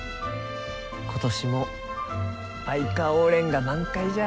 今年もバイカオウレンが満開じゃ。